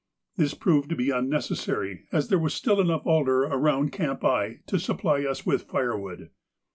This proved to be unnecessary, as there was still enough alder round Camp I to supply us with fire wood.